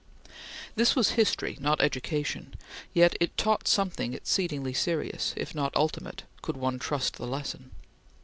This was history, not education, yet it taught something exceedingly serious, if not ultimate, could one trust the lesson.